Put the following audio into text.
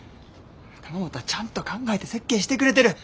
玉本はちゃんと考えて設計してくれてる。